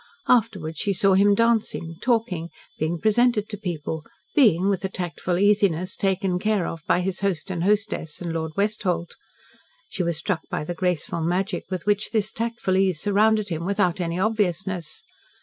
Afterwards she saw him dancing, talking, being presented to people, being, with a tactful easiness, taken care of by his host and hostess, and Lord Westholt. She was struck by the graceful magic with which this tactful ease surrounded him without any obviousness.